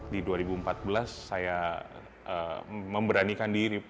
di dua ribu empat belas saya memberanikan diri